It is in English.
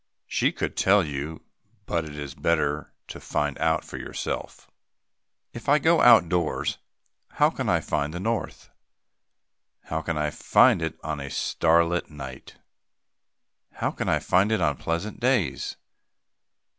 She could tell you, but it is better to find them out for yourself. If I go out of doors, how can I find the north? How can I find it on a starlight night? How can I find it on pleasant days?